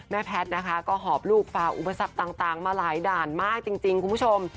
แพทย์นะคะก็หอบลูกฝ่าอุปสรรคต่างมาหลายด่านมากจริงคุณผู้ชม